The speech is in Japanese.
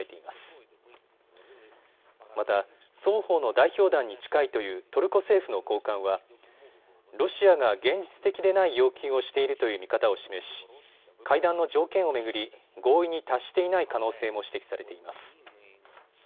また、双方の代表団に近いというトルコ政府の高官はロシアが現実的でない要求をしているという見方を示し会談の条件を巡り合意に達していない可能性も指摘されています。